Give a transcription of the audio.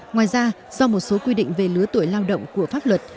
ngoài ra do một số quy định về lứa tuổi lao động của pháp luật